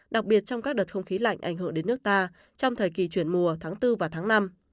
đặc biệt trong các đợt không khí lạnh ảnh hưởng đến nước ta trong thời kỳ chuyển mùa tháng bốn và tháng năm